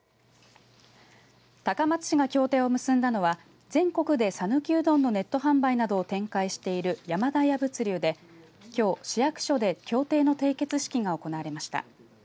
高松市が協定を結んだのは全国でさぬきうどんのネット販売などを展開している山田家物流できょう市役所で協定の締結式が行われました。